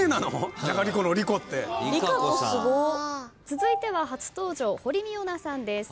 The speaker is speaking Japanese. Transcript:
続いては初登場堀未央奈さんです。